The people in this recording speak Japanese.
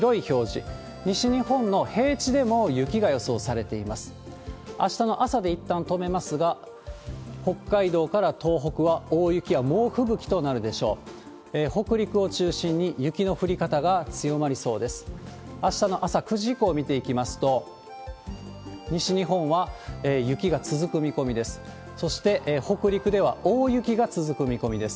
あしたの朝９時以降を見ていきますと、西日本は雪が続く見込みです。